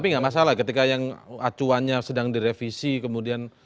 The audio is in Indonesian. tapi nggak masalah ketika yang acuannya sedang direvisi kemudian